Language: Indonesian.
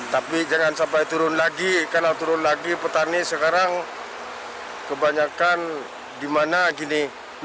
tapi jangan sampai turun lagi karena turun lagi petani sekarang kebanyakan di mana gini